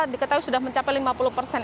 diketahui sudah mencapai lima puluh persen